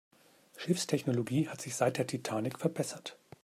Schiffstechnologie hat sich seit der Titanic verbessert.